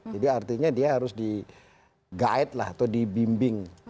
jadi artinya dia harus di guide atau di bimbing